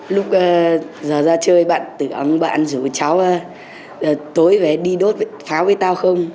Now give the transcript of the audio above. lúc giờ ra chơi bạn tự ấm bạn rủ cháu tối về đi đốt pháo với tao không